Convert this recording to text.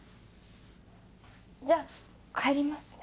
じゃあ帰りますね。